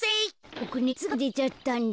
ボクねつがでちゃったんだ。